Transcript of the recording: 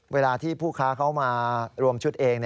เวลาที่ผู้ค้าเขามารวมชุดเอง